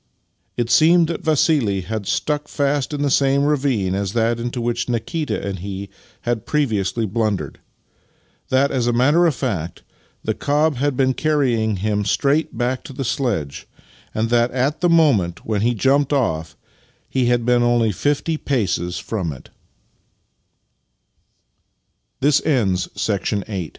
It seemed that Vassili had stuck fast in the same ravine as that into which Nikita and he had previously blundered — that, as a matter of fact, the cob had been carrying him straight back to the sledge, and that, at the moment when he jumped off, he